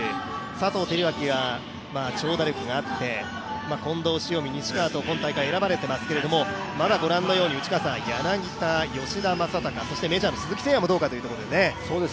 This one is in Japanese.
佐藤輝明は長打力あって、近藤、塩見、西川も本大会選ばれていますが、まだご覧のようにまだご覧のように、柳田、吉田正尚、そしてメジャーリーガーの鈴木誠也もどうかというところですね。